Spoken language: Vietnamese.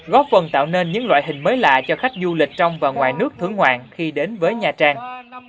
góp phần tạo nên những loại hình mới lạ cho khách du lịch trong và ngoài nước thưởng ngoạn khi đến với nha trang